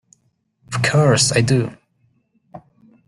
Of course I do!